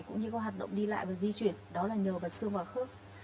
cũng như các hoạt động đi lại và di chuyển đó là nhờ vật xương vào khớp